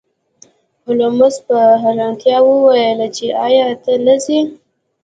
هولمز په حیرانتیا وویل چې ایا ته نه ځې